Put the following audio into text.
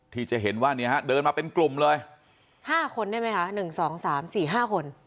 ที่จะเห็นว่าเนี่ยฮะเดินมาเป็นกลุ่มเลย๕คนได้ไหมคะ๑๒๓๔๕คน